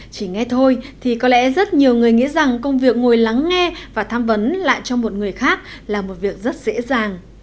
chỉ nghe thôi thì có lẽ rất nhiều người nghĩ rằng công việc ngồi lắng nghe và tham vấn lại cho một người khác là một việc rất dễ dàng